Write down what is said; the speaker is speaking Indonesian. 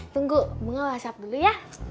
tunggu bunga whatsapp dulu ya